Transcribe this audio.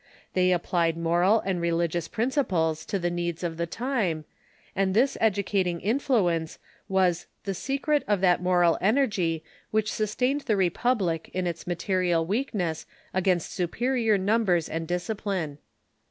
They ap plied moral and religious principles to the needs of the time, and this educating influence was the " secret of that moral en ergy which sustained the republic in its material weakness against superior numbers and discipline."